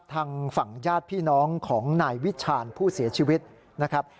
ทางฝั่งญาติพี่น้องของนายวิชาญผู้เสียชีวิตนะครับ